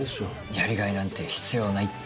やりがいなんて必要ないって。